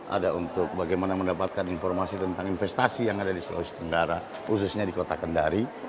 ada untuk bagaimana mendapatkan informasi tentang investasi yang ada di sulawesi tenggara khususnya di kota kendari